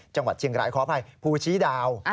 จังหวัดเชียงรายขออภัยภูชีดาว